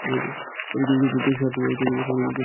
এতে যোগ দিতে দেশের সাতটি বিভাগ থেকে বাসে করে লোকজন আসছে।